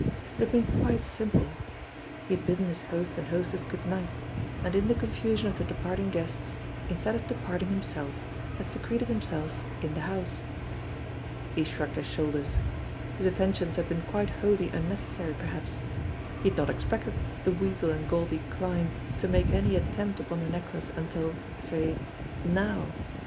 It had been quite simple. He had bidden his host and hostess good night and in the confusion of the departing guests, instead of de parting himself, had secreted himself in the house. He shrugged his shoulders. His attentions had been quite wholly unnecessary perhaps. He had not expected the Weasel and Goldie Kline to make any attempt upon the necklace until, say nozv.